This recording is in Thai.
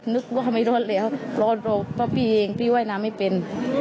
นึกว่าเขาไม่รอดแล้วรอดเพราะพี่เองพี่ว่ายน้ำไม่เป็น